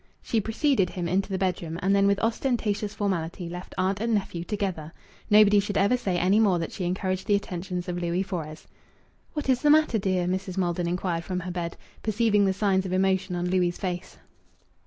She preceded him into the bedroom, and then with ostentatious formality left aunt and nephew together. Nobody should ever say any more that she encouraged the attentions of Louis Fores. "What is the matter, dear?" Mrs. Maldon inquired from her bed, perceiving the signs of emotion on Louis' face.